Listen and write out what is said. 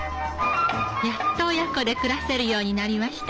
やっと親子で暮らせるようになりました。